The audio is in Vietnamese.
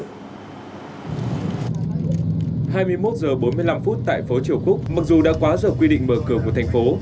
hai mươi một giờ bốn mươi năm phút tại phố triều quốc mặc dù đã quá giờ quy định mở cửa một thành phố